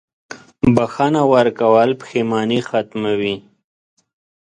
• بښنه ورکول پښېماني ختموي.